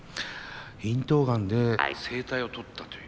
咽頭ガンで声帯を取ったという。